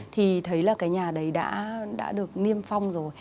thì thấy là cái nhà đấy đã được niêm phong rồi